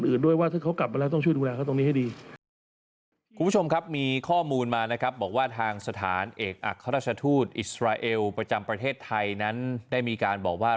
ด้วยว่าถ้าเขากลับมาแล้วต้องช่วยดูแลเขาตรงนี้ให้ดีคุณผู้ชมครับมีข้อมูลมานะครับบอกว่าทางสถานเอกอัครราชทูตอิสราเอลประจำประเทศไทยนั้นได้มีการบอกว่า